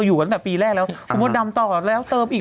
อยู่กันตั้งแต่ปีแรกแล้วคุณมดดำต่อแล้วเติมอีก